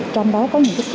trong đó có những sức khỏe